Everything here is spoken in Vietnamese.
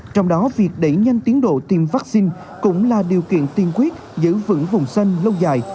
trong đó việc đẩy nhanh tiến độ tiêm vaccine cũng là điều kiện tiên quyết giữ vững vùng xanh lâu dài